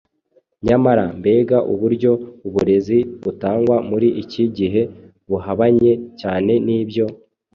Nyamara, mbega uburyo uburezi butangwa muri iki gihe buhabanye cyane n’ibyo!